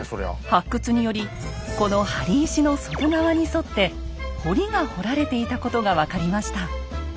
発掘によりこの貼り石の外側に沿って堀が掘られていたことが分かりました。